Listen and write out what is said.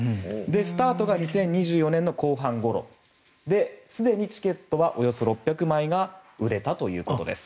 スタートが２０２４年の後半ごろですでにチケットはおよそ６００枚が売れたということです。